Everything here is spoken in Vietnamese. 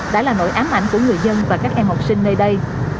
đã là nỗi ám ảnh của người dân và các em học sinh nơi đây